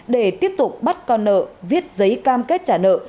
để tiếp tục bắt con nợ viết giấy cam kết trả nợ